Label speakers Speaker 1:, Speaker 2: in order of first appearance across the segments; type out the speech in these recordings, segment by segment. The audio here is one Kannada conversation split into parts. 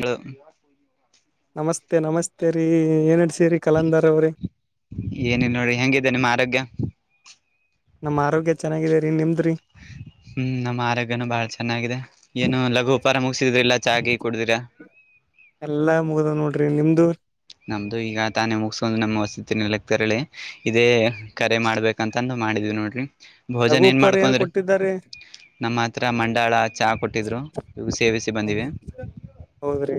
Speaker 1: ಹ
Speaker 2: ನಮಸ್ತೆ ನಮಸ್ತೆ ರೀ ಏನು ನಡಸಿರಿ ಕಲಂದರವರೆ.
Speaker 1: ಏನಿಲ್ಲ ನೋರಿ ಹೆಂಗಿದೆ ನಿಮ್ಮ ಆರೋಗ್ಯ.
Speaker 2: ನಮ್ಮ ಆರೋಗ್ಯ ಚೆನ್ನಾಗಿದೆರೀ ನಿಮ್ದದರೀ.
Speaker 1: ಹ್ಮ ನಮ್ಮ ಆರೋಗ್ಯನೂ ಬಾ ಚೆನ್ನಾಗಿದೆ. ಏನು ಲಘು ಉಪಾರ ಮುಗಸಿದ್ರಿಲ್ಲಾ ಚಾಹ ಕುಡಿದಿರಾ.
Speaker 2: ಎಲ್ಲಾ ಮುಗ್ದ ನೋಡ್ರಿ ನಿಮ್ದು.
Speaker 1: ನಮ್ಮದು ಈಗ ತಾನೇ ಮುಗಿಸಕೊಂಡು ನಮ್ಮ ವಸತಿ ನಿಲಯ ತೆರಳಿ ಇದೇ ಕರೆ ಮಾಡ್ಬೇಕಂತಂದು ಮಾಡಿದ್ವಿ ನೋಡ್ರಿ ಭೋಜನ್ ಏನ್
Speaker 2: ರಘುಪರ್
Speaker 1: ಮಾಡ್ಕೊಂಡ್ರಿ.
Speaker 2: ಕೊಟ್ಟಿದ್ದಾರೆ
Speaker 1: ನಮ್ಮ ಹತ್ರ ಮಂಡಾಳ ಚಹ ಕೊಟ್ಟಿದ್ದ್ರು ಸೇವಿಸಿ ಬಂದಿವ.
Speaker 2: ಹೌದರೀ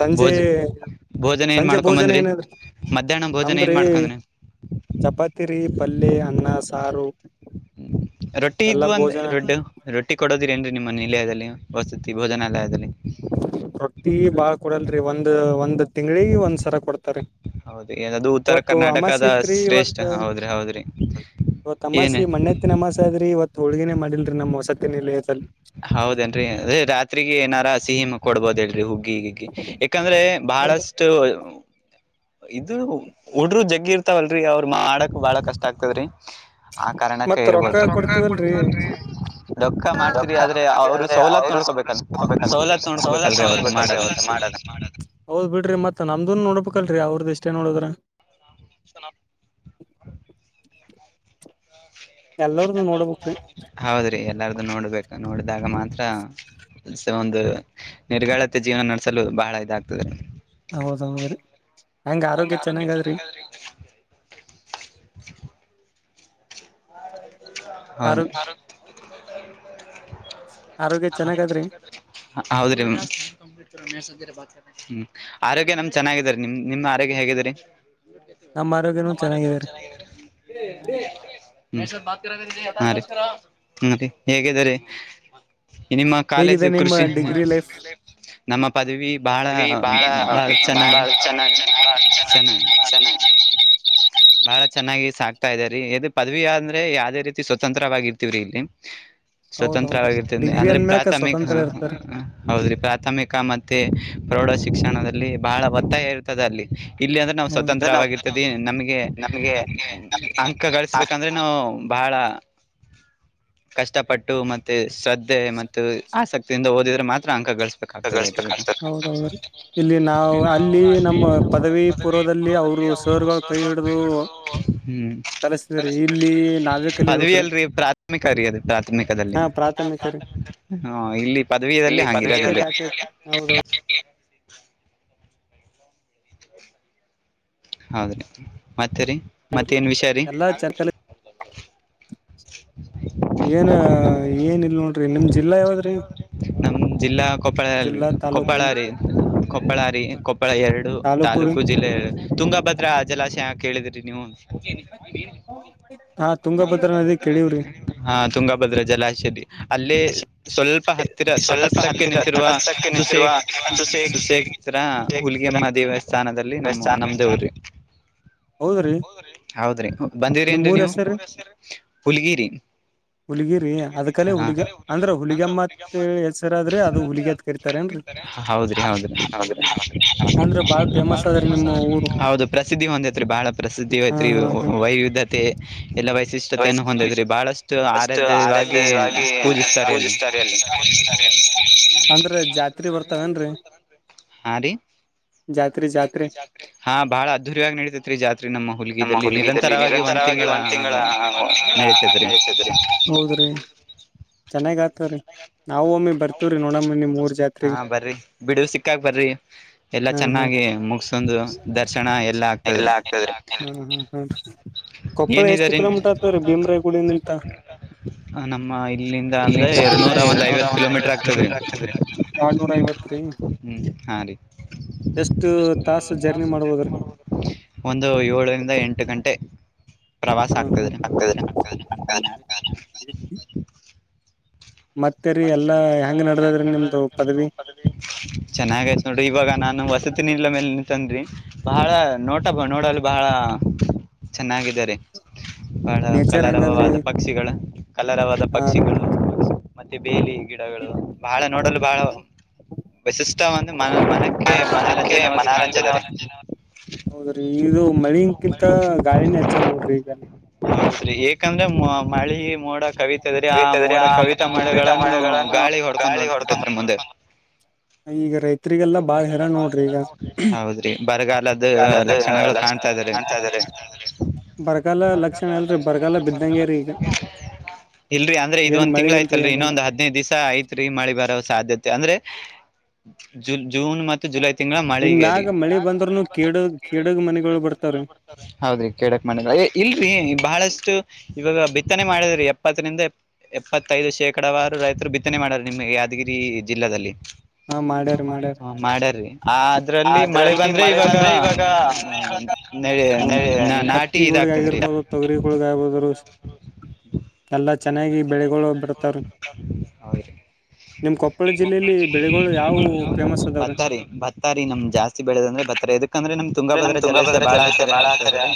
Speaker 2: ಸಂಜೆ
Speaker 1: ಭೋಜ ಭೋಜನ ಏನ್
Speaker 2: ಸಂಜೆ
Speaker 1: ಮಾಡ್ಕೊಂಡ್
Speaker 2: ಭೋಜನ
Speaker 1: ಬಂದ್ರಿ
Speaker 2: ಏನದ್ರಿ
Speaker 1: ಮಧ್ಯಾಹ್ನ ಭೋಜನ ಏನ್
Speaker 2: ನಮ್ದರೀ.
Speaker 1: ಮಾಡ್ಕೊಂಡ್ರಿ
Speaker 2: ಚಪಾತಿ ರೀ ಪಲ್ಯ ಅನ್ನ ಸಾರು.
Speaker 1: ರೊಟ್ಟಿ ಇದು
Speaker 2: ಎಲ್ಲಾ ಭೋಜನ
Speaker 1: ರೊಟ್ಟಿ ಕೊಡೋದಿಲ್ಲ ಏನು ರೀ ನಿಮ್ಮ ನಿಲಯದಲ್ಲಿ ವಸ್ತತಿ ಭೋಜನಾಲಯದಲ್ಲಿ
Speaker 2: ರೊಟ್ಟಿ ಬಾಳ ಕೊಡುವುದಿಲ ರೀ ಒಂದು ತಿಂಗಳಿಗೆ ಒಂದು ಸಲ ಕೊಡ್ತಾರೀ.
Speaker 1: ಹೌದ್ರಿ ಅದು ಉತ್ತರ ಕರ್ನಾಟಕದ ಶ್ರೇಷ್ಠ ಹೌದ್ರಿ ಹೌದ್ರಿ.
Speaker 2: ಇವತ್ತು
Speaker 1: ಏನ್
Speaker 2: ಅಮವಾಸೆ ಮಣ್ಣೆತ್ತಿನ ಅಮಾವಾಸ್ಯೆ ಅದೆ ರೀ ಇವತ್ತು ಹೋಳಿಗೆ ಮಾಡಿಲ್ಲ ರೀ ನಮ್ಮ ವಸತಿ ನಿಲಯದಲ್ಲಿ
Speaker 1: ಹೌದು ಏನ್ರೀ ರಾತ್ರಿ ಏನರ ಸೇಮ ಕೊಡಬಹುದು ಹುಗ್ಗಿ ಗಿಗ್ಗಿ ಯಾಕಂದ್ರೆ ಬಹಳಷ್ಟು ಹುಡುರು ಜಗ್ಗಿರ್ತಾವ ಅಲ್ರಿ ಅವ್ರ ಮಾಡಾಕ ಬಹಳ ಕಷ್ಟ ಆಗತ್ತದರಿ. ಆ ಕಾರಣಕ್ಕ
Speaker 2: ಮತ್
Speaker 1: ಇರಬದು ರೊಕ್ಕ ಕೊಡತೇವಿ
Speaker 2: ಕೊಡ್ತಿವಲ್ರಿ
Speaker 1: ಇಲ್ಲರೀ ರೊಕ್ಕ ಮ
Speaker 2: ರೊಕ್ಕ
Speaker 1: ಆದ್ರೆ
Speaker 2: ಮಾಡ್ತೀವಿ
Speaker 1: ಅವ್ರ
Speaker 2: ಆದ್ರೆ
Speaker 1: ಸವಲತ್ತ
Speaker 2: ಅವರು
Speaker 1: ನೋಡ್ಕೋಬೇಕಲ್ಲ
Speaker 2: ಹೋಗ್ಬೇಕ
Speaker 1: ಸವಲತ್ತ ನೋಡ್ಕೋಬೇಕಲ್ರಿ ಅವರು ಮಾಡೋದ
Speaker 2: ಹೌದ ಬಿಡ್ರ ಮತ್ತ ನಮ್ದು ನೋಡಬೇಕು ಅಲ್ರಿ ಅವರ್ದ ಇಷ್ಟೇ ನೋಡಿದ್ರ.
Speaker 1: ಸನ [inaudible]
Speaker 2: ಎಲ್ಲರದ್ದು ನೋಡಬೇಕು ರೀ.
Speaker 1: ಹೌದು ರೀ ಎಲ್ಲರದೂ ನೋಡಬೇಕು ನೋಡಿದಾಗ ಮಾತ್ರ. ಸ ಒಂದು ನಿರ್ಗಾಳತೆ ಜೀವನ ನಡೆಸಲು ಬಹಳ ಇದಾಗ್ತದೆ.
Speaker 2: ಹೌದ ಹೌದ ರೀ ಹೇಗೆ ಆರೂಗ್ಯ ಚೆನ್ನಾಗಿದೆ ರೀ.
Speaker 1: [inaudible] ಹೌದು ರೀ
Speaker 2: ಆರೋಗ್ಯ
Speaker 1: ಆರೋಗ್ಯ ಚೆನ್ನಗಾದ್ರಿ. ಹೌದ್ರಿ. ಹ್ಮ್ ಆರೋಗ್ಯ ನಮ್ ಚೆನ್ನಾಗಿದರಿ ನಿಮ ನಿಮ್ ಆರೋಗ್ಯ ಹೇಗಿದರಿ.
Speaker 2: ಆರೋಗ್ಯನೂ
Speaker 1: ನಮ್ಮ ಆರೋಗ್ಯನು
Speaker 2: ಚೆನ್ನಾಗಿದೆರಿ
Speaker 1: ಚೆನ್ನಾಗಿದಿರಿ. ಹಾ ರೀ ಹೀ ಹೇಗಿದೆ ರೀ. ನಿಮ್ಮ
Speaker 2: ಹೇಗಿದೆ
Speaker 1: ಕಾಲೇಜು
Speaker 2: ನಿಮ್ಮ
Speaker 1: ಕೃಷಿ.
Speaker 2: ಡಿಗ್ರಿ ಲೈಫ್
Speaker 1: ನಮ್ಮ ಪದವಿ ಬಾಳ
Speaker 2: ಇವಿ ಬಾಳ
Speaker 1: ಬಹಳ ಚೆನ್ನಾಗ
Speaker 2: ಬಾಳ ಚೆನ್ನಾಗಿ ಬಾಳ
Speaker 1: ಚೆನ್ನಾಗಿ. [inaudible]
Speaker 2: ಚೆನ್ನಾಗಿ
Speaker 1: [unintelligible] ಬಹಳ ಚೆನ್ನಾಗಿ ಸಾಕ್ತಾ ಇದ ರೀ ಎದ ಪದವಿ ಅಂದ್ರೆ ಯಾವ್ದೇ ರೀತಿ ಸ್ವತಂತ್ರವಾಗಿ ಇರ್ತಿವ್ರಿ ಇಲ್ಲಿ.
Speaker 2: ಹೌದೌದ್ರಿ
Speaker 1: ಸ್ವತಂತ್ರವಾಗಿರ್ತನ
Speaker 2: ಡಿಗ್ರಿ
Speaker 1: ಅಂದ್ರೆ
Speaker 2: ಅನ್ಮ್ಯಾಕ
Speaker 1: ಪ್ರಾಥಮಿಕ.
Speaker 2: ಸ್ವತಂತ್ರ ಇರ್ತಾರಿ
Speaker 1: ಹೌದ್ರಿ ಪ್ರಾಥಮಿಕ ಮತ್ತೆ ಪ್ರೌಢ ಶಿಕ್ಷಣದಲ್ಲಿ ಬಹಳ ಒತ್ತಾಯ ಇರ್ತದೆ ಅಲ್ಲಿ. ಇಲ್ಲಿ ಅಂದ್ರೆ ನಾವು ಸ್ವತಂತ್ರವಾಗಿರ್ತದೆ ನಮಗೆ [unintelligible]
Speaker 2: ನಮ್ಗೆ
Speaker 1: ನಮಗೆ. ಅಂಕ
Speaker 2: ಆ
Speaker 1: ಗಳಿಸ್ಬೇಕಂದ್ರೆ ನಾವು ಬಹಳ ಕಷ್ಟಪಟ್ಟು ಮತ್ತೆ ಶ್ರದ್ಧೆ. ಶ್ರದ್ಧೆ ಮತ್ತು ಆಸಕ್ತಿಯಿಂದ ಓದಿದ್ರೆ ಮಾತ್ರ ಅಂಕ ಗಳಿಸಬುದು.
Speaker 2: ಅಗಸ್ಟ್ ಹತ್ತೇತಿ ಅಲ್ಲಿ ನಮ್ಮ ಪದವಿ ಪೂರ್ವದಲ್ಲಿ ಅವರು. ಸೋರುಗಳು ಕೈ ಹಿಡಿದು. ಕಲಸಿದ್ರಿ ಇಲ್ಲಿ ನಾವೇ
Speaker 1: [inaudible] ಪದವಿ
Speaker 2: ಕಲಿಬೇಕ್ರಿ
Speaker 1: ಅಲ್ರಿ ಪ್ರಾಥಮಿಕ ರೀ ಅದ ಪ್ರಾಥಮಿಕದಲ್ಲಿ.
Speaker 2: ಹಾ ಪ್ರಾಥಮಿಕ ರೀ
Speaker 1: ಹಾ ಇಲ್ಲಿ ಪದವೀದಲ್ಲಿ ಹಂಗ ಇರೋದಿಲ್ಲ ರೀ.
Speaker 2: ಹೌದಾ. [unintelligible]
Speaker 1: ಹೌದ್ರಿ ಮತ್ತರಿ.
Speaker 2: ರಿ ಎಲ್ಲಾ ಚರ್ಕಲ್. [unintelligible] ಏನ ಏನ ಏನಿಲ್ಲ ನೋಡು. ನಿಮ್ಮ್ ಜಿಲ್ಲಾ.
Speaker 1: ನಿಮ್ಮ ಜಿಲ್ಲೆ
Speaker 2: ಯಾವದ್ರಿ
Speaker 1: ಯಾವುದು ರೀ ನಮ್ ಜಿಲ್ಲಾ ಕೊಪ್ಪಳ
Speaker 2: ಜಿಲ್ಲಾ
Speaker 1: ಕೊಪ್ಪಳ
Speaker 2: ತಾಲೂಕು
Speaker 1: ರೀ. ಕೊಪ್ಪಳಾರಿ ಕೊಪ್ಪಳ ಎರಡು ತಾಲೂಕು ಜಿಲ್ಲೆ. ತುಂಗಭದ್ರಾ ಜಲಾಶಯ ಕೇಳಿದ್ರಿ ನೀವು.
Speaker 2: ಹಾ ತುಂಗ.
Speaker 1: ಹಾ ತುಂಗಭದ್ರ ಜಲಾಶಯ ಅಲ್ಲಿ. ಸ್ವಲ್ಪ ಹತ್ತಿರ
Speaker 2: ಸ್ವಲ್ಪ
Speaker 1: ತಟಸ್ಥಕ್ಕೆ
Speaker 2: ಹತ್ತಿರ
Speaker 1: ನಿಂತಿರುವ
Speaker 2: ತಟಸ್ಥಕ್ಕೆ
Speaker 1: [unintelligible]
Speaker 2: ನಿಂತಿರುವ
Speaker 1: ಸುಸೇಕ್. ಹತ್ತಿರ
Speaker 2: ಸುಸೇಗ್ರ
Speaker 1: ಹುಲ್ಗಮ್ಮ ದೇವಸ್ಥಾನದಲ್ಲಿ ನಮ್ಮ ನಮ್ದೇ ಊರು ರೀ.
Speaker 2: ಹೌದ್ರೀ.
Speaker 1: ಹೌದ್ರಿ ಬಂದಿ್ರಿ ಏನ್ರಿ ನೀವು ನಿಮ್ಮ ಊರ ಹೆಸರು ಹುಲಿಗೇರಿ.
Speaker 2: ಹುಲ್ಗಿರಿ ಅದಕಲೆ ಹುಲಗಿ ಅಂದ್ರೆ ಹು.
Speaker 1: ಅಂದ್ರ ಹುಲಿಗೆಮ್ಮ ದೇವಸ್ಥಾನ ಅದಕ್ಕೆ ಹುಡುಗಿಯರು ಅಂತ
Speaker 2: ಕರಿತಾರೇನ್ರಿ
Speaker 1: ಕರೆಯುತ್ತಾರೆ ಹೌದ್ರಿ ಹೌದ್ರಿ.
Speaker 2: ಅಂದ್ರೆ ಬಾಳ್
Speaker 1: ಒಂದು ಬಾಳ
Speaker 2: ಅದ್ರಿ
Speaker 1: ಫೇಮಸ್
Speaker 2: ನಿಮ್ಮ
Speaker 1: ಆದ್ರಿ
Speaker 2: ಊರು
Speaker 1: ಹೌದು ಪ್ರಸಿದ್ಧಿ ಹೊಂದೈತ್ರಿ ಬಾಳ. ಪ್ರಸಿದ್ಧಿ
Speaker 2: ಹಾ
Speaker 1: ಹಯ್ತ್ರಿ
Speaker 2: ಹಾ
Speaker 1: ವೈವಿಧ್ಯತೆ ಎಲ್ಲ
Speaker 2: ಹಾ
Speaker 1: ವೈಶಿಷ್ಟತೆಯನ್ನು ಹೊಂದೈತ್ರಿ ಬಹಳಷ್ಟು.
Speaker 2: ಫಸ್ಟ್
Speaker 1: ಆರಾಧ್ಯವಾಗಿ [unintelligible] ಪೂಜಿಸ್ತಾರೆ ಅಲ್ಲಿ.
Speaker 2: ಪೂಜಿಸುತ್ತಾರೆ ಅಲ್ಲಿ [unintelligible] ಅಂದ್ರ ಜಾತ್ರೆ ಬರ್ತಾವೇಏನ್ರಿ.
Speaker 1: ಹಾ ರೀ.
Speaker 2: ಜಾತ್ರಿ. ಜಾತ್ರಿ
Speaker 1: ಹಾ ಬಾಳ ಅದ್ದೂರಿಯಾಗಿ ನಡಿತೈತ್ ರೀ ಜಾತ್ರೆ ನಮ್ಮ ಹುಲಿಗಿ ಅಲ್ಲಿ ನಿರಂತರ
Speaker 2: ಇಲ್ಲಿ ನಿರಂತರವಾಗಿ ಒಂದ್ ತಿಂಗಳ
Speaker 1: ನಡೀತೇತ್ರಿ
Speaker 2: ನಡೀತದ ರಿ ಹೌದ್ರಿ ಚೆನ್ನಾಗ ಆತವ್ರೀ ನಾವು ಒಮ್ಮೆ-
Speaker 1: ಹಾ ಬರ್ರಿ ಬಿಡುವ ಸಿಕ್ಕಗ ಬರ್ರಿ ಎಲ್ಲಾ
Speaker 2: ಹಾ ಹಾ
Speaker 1: ಚೆನ್ನಾಗಿ ಮುಗಸಂದು ದರ್ಶನ ಎಲ್ಲಾ ಆಗ್ತದ್ರಿ ಎಲ್ಲಾ ಆಗ್ತದ್ರಿ
Speaker 2: ಹಾ ಹಾ ಹಾ ಕೊಪ್ಪಳ
Speaker 1: ಏನ ಇದೆ
Speaker 2: ಎಷ್ಟು
Speaker 1: ರಿ
Speaker 2: ಕಿಲೋಮೀಟರ್ ಆಗ್ತದ್ರೀ ಭೀಮ್ರಾಯ ಗುಡಿನಿಂತ
Speaker 1: ನಮ್ಮ ಇಲ್ಲಿಂದ ಅಂದ್ರೆ ಎರಡ್ನೂರ ಒಂದ ಐವತ್ತು
Speaker 2: ಒಂದ ಐವತ್ತು ಕಿಲೋಮೀಟರ್ ಆಗ್ತದ ರಿ ಎರಡನೂರ ಐವತ್ ರೀ
Speaker 1: ಹ್ಮ್ ಹಾ ರೀ
Speaker 2: ಎಷ್ಟು ತಾಸ ಜರ್ನಿ ಮಾಡ್ಬೋದ ರಿ
Speaker 1: ಎಂಟ ಗಂಟೆ ಪ್ರವಾಸ
Speaker 2: ಹ್ಮ್ ಹ್ಮ್
Speaker 1: ಆಗ್ತದ್ರಿ
Speaker 2: ಆಗ್ತದ ರಿ ಮತ್ತೆ ರಿ ಎಲ್ಲಾ ಹೆಂಗ್ ನಡದದ್ರೀ ನಿಮ್ದು ಪದವಿ
Speaker 1: ಚೆನ್ನಾಗ ಐತಿ ನೋಡ್ರಿ ಇವಾಗ ನಾನು ವಸತಿನಿಲಯ ಮೇಲೆ ನಿಂತಿನಿ ರಿ ಬಹಳ ನೋಟ ನೋಡಲು ಬಹಳ ಚೆನ್ನಾಗಿದೆ ರಿ ಬಹಳ
Speaker 2: ನೇಚರ್ ಹೆಂಗಾದ್ರಿ
Speaker 1: ಕಲರವಾದ ಪಕ್ಷಿಗಳ ಕಲರವಾದ ಪಕ್ಷಿಗಳು
Speaker 2: ಹ
Speaker 1: ಮತ್ತೆ ಬೇಲಿ ಗಿಡಗಳು ಬಹಳ ನೋಡಲು ಬಾಳ ವಿಶಿಷ್ಟ ಒಂದು ಮನ ಮನಕ್ಕೆ
Speaker 2: ಹಾ ಮನಕ್ಕೆ
Speaker 1: ಮನೋರಂಜನೆವಾಗಿ ಕಾಣ್ತದ
Speaker 2: ಮನೋರಂಜನೆ
Speaker 1: ರಿ
Speaker 2: ಹೌದ್ರಿ ಇದು ಮಳನ್ಕಿಂತ ಗಾಳಿನ ಹೆಚ್ಚದ ನೋಡ್ರಿ ಈಗ
Speaker 1: ಹೌದರಿ ಏಕಂದ್ರೆ ಮಳಿ ಮೋಡ ಕವಿತದ ರಿ ಆ ಮೋಡ ಕವಿತ ಮಳೆಗಳನ್ನು ಗಾಳಿ ಹೊಡ್ಕೊಂಡ್ ಹೊಂಟ ಬಿಟ್ಟತ್ರಿ ಮುಂದೆ
Speaker 2: ಈಗ ರೈತ್ರಿಗೆಲ್ಲಾ ಬಾಳ್ ಹೈರಾಣ ನೋಡ್ರಿ ಈಗ
Speaker 1: ಹೌದ್ರಿ ಬರಗಾಲದ ಲಕ್ಷಣಗಳು ಕಾಣ್ತಾ ಇದಾರೆ
Speaker 2: ಬರಗಾಲ ಲಕ್ಷಣ ಅಲ್ರಿ ಬರಗಾಲ ಬಿದ್ದಂಗ ರೀ ಈಗ ಏನ್ ಮಳೆ ಇಲ್ರಿ ಏನಿಲ್ಲ
Speaker 1: ಹದ್ನೈದು ದಿವಸ ಐತ್ ರೀ ಮಳಿ ಬರೋ ಸಾಧ್ಯತೆ ಅಂದ್ರೆ ಜನ್ ಮತ್ತೆ ಜೂನ್ ಜುಲೈ ತಿಂಗಳ
Speaker 2: ಇನ್
Speaker 1: ಮಳೆಗೆ ರಿ
Speaker 2: ಮ್ಯಾಗ ಮಳಿ ಬಂದ್ರನು ಕೇಡಗ್ ಕೇಡಗ್ ಮನಿಗಳು ಬರ್ತಾವ್ರಿ
Speaker 1: ಹೌದ್ರಿ ಕೇಳಕ್ ಮಾಡಿದ ಇಲ್ರರಿ ಬಹಳಷ್ಟು ಇವಾಗ ಬಿತ್ತನೆ ಮಾಡಿದ್ರಿ ಎಪ್ಪತ್ತರಿಂದ ಎಪ್ಪತ್ತೈದು ಶೇಕಡವಾರು ರೈತರು ಬಿತ್ತನೆ ಮಾಡ್ಯಾರ ನಿಮ್ಮ ಯಾದಗಿರಿ ಜಿಲ್ಲೆಯಲ್ಲಿ
Speaker 2: ಹಾ ಮಾಡ್ಯಾರಿ ಮಾಡ್ಯಾರ
Speaker 1: ಮಾಡ್ಯಾರ ರಿ ಆದ್ರ ಅಲ್ಲಿ ಮಳೆ ಬಂದ್ರೆ ಇವಾಗ ನಾಟಿ ಇದಾಗ್ತದ್ರೀ
Speaker 2: ತೊಗರಿಗಳು ಗಾಯಬೋದರು ಎಲ್ಲ ಚೆನ್ನಾಗಿ ಬೆಳೆಗಳು ಬರತಾವ
Speaker 1: ಹೌದ್ರಿ
Speaker 2: ನಿಮ್ಮ್ ಕೊಪ್ಪಳ ಜಿಲ್ಲೆಯಲ್ಲಿ ಬೆಳಿಗಳು ಯಾವು ಫೇಮಸ್ ಅದಾವ್ರೀ
Speaker 1: ಭತ್ತ ರೀ ಜಾಸ್ತಿ ಬೆಳೆದಂದ್ರೆ ಬತ್ತ ರಿ ಯಾದಕ್ಕಂಡ್ರೆ ನಮ್ ತುಂಗಭದ್ರ ಜಲಾಶಯ ಬಾಳ ಹತ್ತರ ಆಗ್ತದೆ ರೀ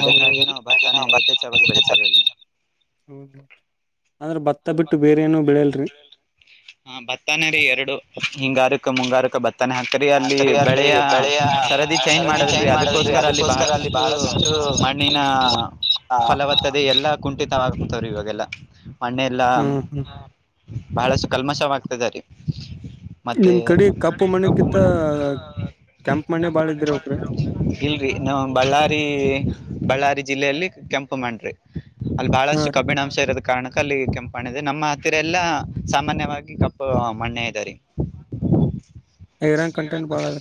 Speaker 1: ಅದಕ್ಕಾಗಿನ
Speaker 2: ಹೌದೌದೌದ್ರೀ ಹಾಗೆ
Speaker 1: ಭತ್ತಾನೆ
Speaker 2: ನಾವು
Speaker 1: ಹೆಚ್ಚ ಹೆಚ್ಚ ಆಗಿ ಬೆಳೆತಿವಿ ಸರಿ
Speaker 2: ಹೌದ ಅಂದ್ರೆ ಭತ್ತ ಬಿಟ್ಟು ಬೇರೆ ಏನೋ ಬೆಳೆಯಲ್ರಿ
Speaker 1: ಹ ಭತ್ತಾನರಿ ಎರಡು ಹಿಂಗಾರಕ್ ಮುಂಗಾರಕ್ ಬತ್ತ ಬತ್ತನೆ ಹಾಕ್ತಾರ ರಿ ಅಲ್ಲಿ ಬೆಳೆಯ ಸರದಿ ಚೇಂಜ್ ಮಾಡದಲ್ರಿ ಅದಕ್ಕೋಸ್ಕರ ಅಲ್ಲಿ ಬಹಳಷ್ಟು ನೀನ
Speaker 2: ಹಾ
Speaker 1: ಎಲ್ಲಾ ಕುಂಠಿತವಾಗತಾವ ರಿ ಇವಾಗೆಲ್ಲ ಮಣ್ಣೆಲ್ಲ
Speaker 2: ಹ್ಮ್ ಹ್ಮ್
Speaker 1: ಬಹಳಷ್ಟು ಕಲ್ಮಶವಾಗ್ತದೆ ರೀ ಮತ್ತೆ ನಿಮ್ಮ ಕಡೆ ಕಪ್ಪು ಮಣ್ಣಕ್ಕಿಂತ
Speaker 2: ಕೆಂಪ್ ಮಣ್ಣೆ
Speaker 1: ಕೆಂಪು
Speaker 2: ಬಾಳ
Speaker 1: ಮಣ್ಣೇ ಬಹಳ
Speaker 2: ಇದ್ದಿರಬೇಕ್ರಿ
Speaker 1: ಇರುತ್ತ ರಿ ಇಲ್ರರಿ ನಮ್ಮ ಬಳ್ಳಾರಿ ಜಿಲ್ಲೆಯಲ್ಲಿ ಕೆಂಪು ಮಣ್ಣು ರಿ ಅಲ್ಲಿ
Speaker 2: ಹಾ
Speaker 1: ಬಹಳಷ್ಟು
Speaker 2: ರೀ
Speaker 1: ಕಬಿನಾಂಶ ಇರೋದ ಕಾರಣಕ್ಕೆ ಅಲ್ಲಿ ಕೆಂಪ ಮಣ್ಣ ಇದೆ ನಮ್ಮ ಹತ್ತಿರ ಎಲ್ಲ ಸಾಮಾನ್ಯವಾಗಿ ಕಪ್ಪು ಮಣ್ಣೆ ಇದೇರಿ. [inaudible]
Speaker 2: ಐರನ್ ಕಂಟೆಂಟ್ ಬಾಳ ಅದ.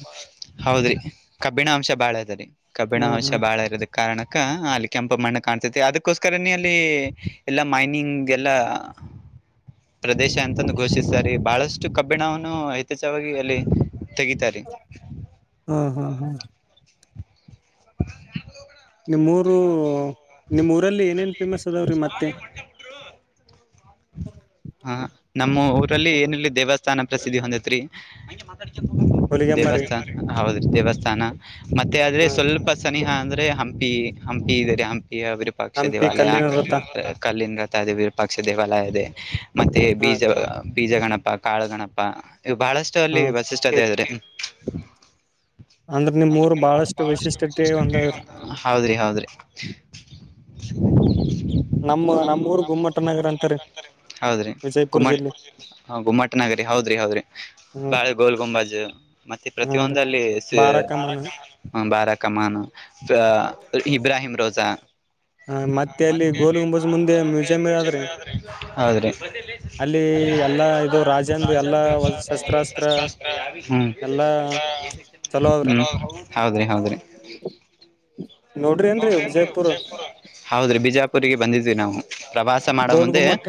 Speaker 1: ಹೌದ್ರಿ ಕಬ್ಬಿಣ ಅಂಶ ಬಾಳ ಇದರಿ ಕಬ್ಬಿಣ
Speaker 2: ಹ್ಮ್
Speaker 1: ಅಂಶ
Speaker 2: ಹ್ಮ್
Speaker 1: ಬಾಳ ಇರದಕ್ಕ. ಕಾರಣಕ್ಕ ಅಲ್ಲಿ ಕೆಂಪ ಮಣ್ಣ ಕಾಣ್ಸತಿ ಅದಕ್ಕೋಸ್ಕರನೇ ಅಲ್ಲಿ. ಎಲ್ಲ ಮೈನಿಂಗ್ ಎಲ್ಲ ಪ್ರದೇಶ ಅಂತಂದು ಘೋಷಿಸಾರೆ ಬಹಳಷ್ಟ. ಸ್ಟ ಕಬ್ಬಿಣವನ್ನು ಯಥೇಚ್ವಾಗಿ ಅಲ್ಲಿ ತೆಗಿತಾರೆ.
Speaker 2: ಹ್ಮ್ ಹ್ಮ್ ಹ್ಮ್. ನಿಮ್ಮೂರು ನಿಮ್ಮೂಊರಲ್ಲಿ ಏನೇನು ಫೇಮಸ್ ಅದಾವ ರೀ ಮತ್ತೆ.
Speaker 1: ಹಾ ನಮ್ಮ ಊರಲ್ಲಿ ಏನಿಲ್ಲಿ ದೇವಸ್ಥಾನ ಪ್ರಸಿದ್ಧಿ ಹೊಂದೇತ್ರಿ.
Speaker 2: ಹೊಲಿಗೆಮ್ಮರಿ
Speaker 1: ದೇವಸ್ಥಾನ ಹೌದ್ರೀ ದೇವಸ್ಥಾನ ಮತ್ತೆ ಆದ್ರೆ
Speaker 2: ಹಾ ರೀ
Speaker 1: ಸ್ವಲ್ಪ. ಸನಿಹಾ ಅಂದ್ರೆ ಹಂಪಿ ಹಂಪಿ ಇದೇರಿ ಹಂಪಿ ಅವರು. ವಿರುಪಾಕ್ಷ
Speaker 2: ಹಂಪಿ
Speaker 1: ದೇವಾಲಯ
Speaker 2: ಕಲ್ಲಿನ ರಥ
Speaker 1: ಕಲ್ಲಿನ ಗರ್ತಾ ಇದೆ ವಿರಪಾಕ್ಷ ದೇವಾಲಯ ಇದೆ. ಮತ್ತೆ
Speaker 2: ಹಾ
Speaker 1: ಬೀಜ ಬೀಜ ಗಣಪ ಕಾಳುಗಣಪ ಇವು ಬಹಳಷ್ಟು ಅಲ್ಲಿ
Speaker 2: ಹ್ಮ್
Speaker 1: ವಸಿ. ಷ್ಟತೇ ಅದೇರಿ.
Speaker 2: ಅಂದ್ರ ನಿಮ್ಮೂರು ಬಹಳಷ್ಟು ವೈಶಿಷ್ಟತೆ ಹೊಂದದ್ರಿ.
Speaker 1: ಹ ಹೌದ್ರಿ ಹೌದ್ರಿ.
Speaker 2: ನಮ್ಮ್ ನಮ್ಮ್ ಊರ್ ಗುಮ್ಮಟ ನಗರ ಅಂತಾರ.
Speaker 1: ಹೌದ್ರಿ ಗುಮ್ಮಟ ಗುಮ್ಮಟ ನಗರಿ ಹೌದ್ರಿ ಹೌದ್ರಿ
Speaker 2: ಹ್ಮ್
Speaker 1: ಬಾಳ ಗೋಲ್ ಗೊಂಬಾಜು. ಮತ್ತೆ
Speaker 2: ಹಾ ರೀ
Speaker 1: ಪ್ರತಿಯೊಂದಲ್ಲಿ ಶ್ ಬರ
Speaker 2: ಬಾರಕಮಾನ
Speaker 1: ಕಮನ. ಬಾರಾ ಕಮಾನ ಇಬ್ರಾಹಿಮ ರೋಜಾ. ಮತ್ತೆ ಅಲ್ಲಿ ಗೋಂಬಜ ಮುಂದೆ ಮ್ಯೂಸಿಯಂ ಅದೆ ರಿ ಹೌದು ರಿ.
Speaker 2: ಅಲ್ಲಿ ಎಲ್ಲಾ
Speaker 1: ಅಲ್ಲ ಇದು
Speaker 2: ರಾಜಂದು
Speaker 1: ರಾಜ
Speaker 2: ಎಲ್ಲಾ
Speaker 1: ಎಲ್ಲ ಶಸ್ತ್ರಾಸ್ತ್ರ ಹ್ಮ್ಮ್.
Speaker 2: ಎಲ್ಲಾ. ಚಲೋ ಅದ್ರಿ
Speaker 1: ಹ್ಮ್ ಹೌದ್ರಿ ಹೌದ್ರಿ.
Speaker 2: ನೋಡ್ರಿ ಏನ್ರಿ ವಿಜಯಪುರ್.
Speaker 1: ಹೌದ್ರಿ ಬಿಜಾಪುರಿಗೆ ಬಂದಿದ್ವಿ ನಾವು ಪ್ರವಾಸ ಮಾಡೋ
Speaker 2: ಗೋಲ್
Speaker 1: ಮುಂದೆ.
Speaker 2: ಗುಮ್ಮಟ್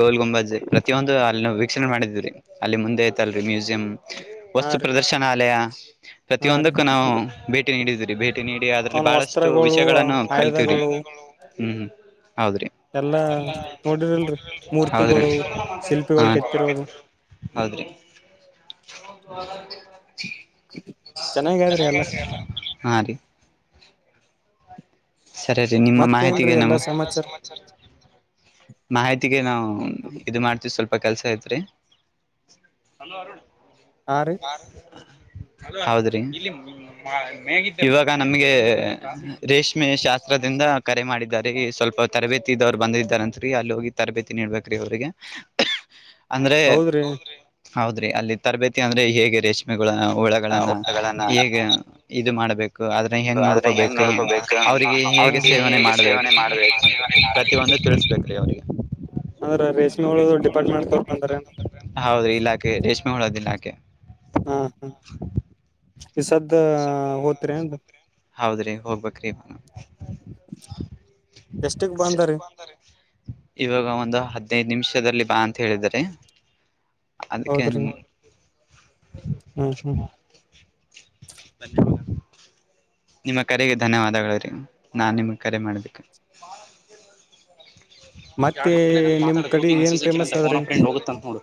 Speaker 1: ಗೋಲ್ ಗುಂಬಜನ್ಪ್ರತಿಯೊಂದು ಅಲ್ಲಿ ವೀಕ್ಷಣೆಮಾಡಿದವಿರಿ ಅಲ್ಲಿ ಮುಂದೆ ಐತಲ್ರರಿ ಮ್ಯೂಸಿಯಂ.
Speaker 2: ಹಾ
Speaker 1: ವಸ್ತು
Speaker 2: ರೀ
Speaker 1: ಪ್ರದರ್ಶನಾಲಯ.
Speaker 2: ಹಾ ರೀ
Speaker 1: ಪ್ರತಿಯೊಂದಕ್ಕೂ ನಾವು ಭೇಟಿ ನೀಡಿದೀರಿ ಭೇಟಿ ನೀಡಿ ಅದ್ರಲ್ಲಿ.
Speaker 2: ಅವನ್
Speaker 1: ಬಹಳಷ್ಟು
Speaker 2: ವಸ್ತ್ರಗಳು
Speaker 1: ವಿಷಯಗಳನ್ನು ಕಲ್ತಿವ್ರಿ
Speaker 2: ಆಯುಧಗಳು
Speaker 1: ಹ್ಮ್ ಹೌದ್ರಿ. ಎಲ್ಲಾ ನೋಡಿರಿಲ್ರಿ ಹೌದ್ರಿ ಹಾ
Speaker 2: ಶಿಲ್ಪಿಗಳು ಕೆತ್ತಿರೋದು
Speaker 1: [unintelligible] ಹೌದ್ರಿ. ಚನ್ನಗ ಹೇಳಿದ್ರಿ ಎಲ್ಲಾ ಹಾ ರೀ. ಸರಿ ರಿ ನಿಮ್ಮ
Speaker 2: ಮತ್ತೇನ್ರೀ
Speaker 1: ಮಾಹಿತಿಗೆ
Speaker 2: ಎಲ್ಲಾ
Speaker 1: ನವು.
Speaker 2: ಸಮಾಚಾರ
Speaker 1: ಮಾಹಿತಿಗೆ ನಾವವು ಇದು ಮಾಡ್ತವಿ ಸ್ವಲ್ಪ ಕೆಲ್ಸ ಐತ್ರಿ. ಹಲೋ ಅರುಣ ಹಾ ರಿ. ಹೌದ್ರಿ ಇವಾಗ ನಮ್ಗೆ. ರೇಷ್ಮೆ ಶಾಸ್ತ್ರದಿಂದ ಕರೆ ಮಾಡಿದ್ದಾರೆ ಸ್ವಲ್ಪ ತರಬೇತಿ ಇದವ್ರು ಬಂದಿದ್ದಾರೆ. ರಿ ಅಲ್ಲಿ ಹೋಗಿ ತರಬೇತಿ ನೀಡ್ಬೇಕ್ರಿ ಅವ್ರಿಗೆ ಅಂದ್ರೆ.
Speaker 2: ಹೌದ್ರಿ
Speaker 1: ಹೌದ್ರಿ ಅಲ್ಲಿ ತರಬೇತಿ ಅಂದ್ರೆ ಹೇಗೆ ರೇಷ್ಮೆಗಳ ಹುಳಗಳನ್ನ
Speaker 2: ಊಟಗಳನ್ನ
Speaker 1: ಹೇಗೆ. ಇದು ಮಾಡ್ಬೇಕು ಅದ. ಹೆಂಗ್
Speaker 2: ಆದ್ರೆ ಹೆಂಗ್
Speaker 1: ನೋಡ್ಕೋಬೇಕು
Speaker 2: ನೋಡ್ಕೋಬೇಕು
Speaker 1: ಅವ್ರಿಗೆ ಹೇಗೆ
Speaker 2: ಅವ್ರಿಗೆ
Speaker 1: ಸೇವನೆ
Speaker 2: ಹೇಗೆ
Speaker 1: ಮಾಡ್ಬೇಕು
Speaker 2: ಸೇವನೆ
Speaker 1: ಪ್ರತಿಯೊಂದು ತಿಳಿಸಬೇಕ್ರ.
Speaker 2: ಅಂದ್ರೆ ರೇಷ್ಮೆಹೂಳ ಡಿಪಾರ್ಟ್ಮೆಂಟ್ ತ ಬಂದಾರೆ ಅಂದ್ರ.
Speaker 1: ಹೌದ್ರೀ ಇಲಾಖೆ ರೇಷ್ಮೆ ಹುಳದ್ ಇಲಾಖೆ.
Speaker 2: ಹಾ ಈ ಸದ್ದ ಹೊತ್ತಿರಿ ಏನ್ರಿ.
Speaker 1: ಹೌದ್ರಿ ಹೋಗ್ಬೇಕ್ರಿ.
Speaker 2: ಎಷ್ಟಕ್ ಬಂದಾರಿ
Speaker 1: ಇವಾಗ ಒಂದ ಹದ್ನೈದ ನಿಮಿಷದಲ್ಲಿ ಬಾ ಅಂತ ಹೇಳಿದ್ದರ. ಅದಕ್ಕ
Speaker 2: ಹೌದ್ರಿ
Speaker 1: ನಿಮ್
Speaker 2: ಹ್ಮ್ ಹ್ಮ್
Speaker 1: [inaudible] ನಿಮ್ಮ ಕರೆಗೆ ಧನ್ಯವಾದಗಳರೀ ನಾ ನಿಮ್ ಕರೆ ಮಾಡ್ಬೇಕ.
Speaker 2: ಮತ್ತೆ ನಿಮ್ ಕಡೆ ಏನ್ ಫೇಮಸ್
Speaker 1: [unintelligible] ಫೋನ್
Speaker 2: ಆದ್ರಿ.
Speaker 1: ಫ್ರೆಂಡ್ ಹೋಗುತ್ತ ಅಂತ ನೋಡು.